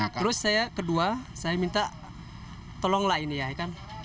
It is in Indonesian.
nah terus saya kedua saya minta tolonglah ini ya kan